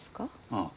ああ。